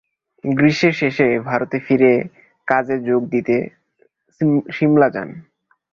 গ্রীষ্মের শেষে ভারতে ফিরে কাজে যোগ দিতে সিমলা যান।